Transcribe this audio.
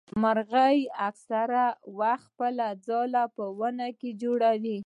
مرغۍ اکثره وخت خپل ځاله په ونه کي جوړوي.